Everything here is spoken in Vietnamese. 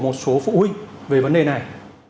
một số phụ huynh về vấn đề này